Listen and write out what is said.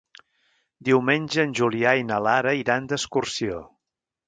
Diumenge en Julià i na Lara iran d'excursió.